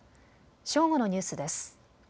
正午のニュースです。